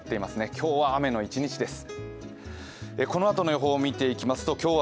今日は雨の一日です。